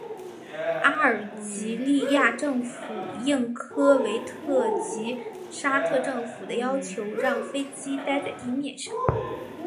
阿尔及利亚政府应科威特及沙特政府的要求让飞机待在地面上。